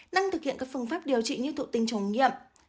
năng thực hiện các phương pháp điều trị như thụ tinh trùng nghiệm